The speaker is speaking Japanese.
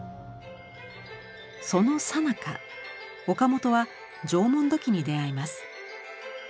そのさなか岡本は縄文土器に出会います。